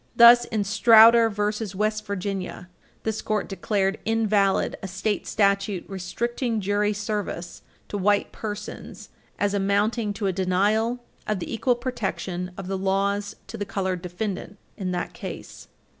Thus, in Strauder v. West Virginia, 100 U. S. 303 (1880), this Court declared invalid a state statute restricting jury service to white persons as amounting to a denial of the equal protection of the laws to the colored defendant in that case.